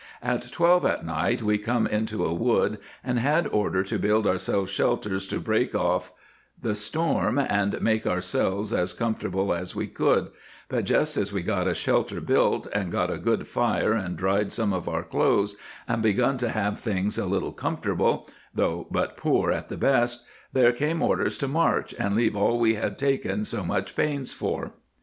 . At twelve at night we Come into a wood and had order to bild ourselves shelters to brake of [off] the storm and make ourselves as Com forteble as we could, but jest as we got a shelter bilt, and got a good fire and Dried some of our Cloths, and begun to have things a little Com furteble, though but poor at the best, thare Come orders to march and leave all we had taken so much pains for."